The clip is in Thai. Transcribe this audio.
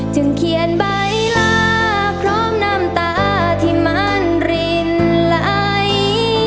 เขียนใบลาพร้อมน้ำตาที่มันริมไหล